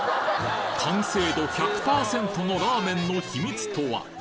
完成度１００％のラーメンの秘密とは？